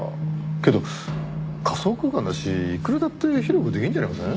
けど仮想空間だしいくらだって広くできるんじゃありません？